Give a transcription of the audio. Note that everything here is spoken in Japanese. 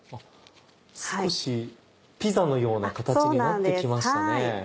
少しピザのような形になって来ましたね。